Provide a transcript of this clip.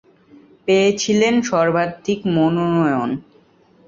পেয়েছিলেন সর্বাধিক মনোনয়ন।